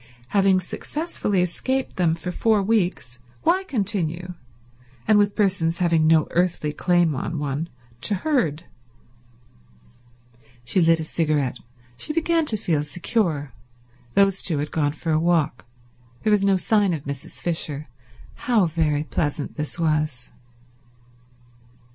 Having successfully escaped them for four weeks why continue, and with persons having no earthly claim on one, to herd? She lit a cigarette. She began to feel secure. Those two had gone for a walk. There was no sign of Mrs. Fisher. How very pleasant this was.